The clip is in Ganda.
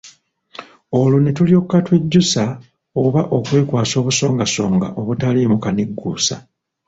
Olwo ne tulyoka twejjusa oba okwekwasa obusongasonga obutaliimu kanigguusa.